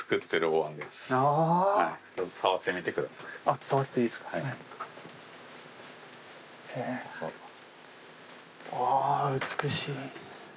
わあ美しい。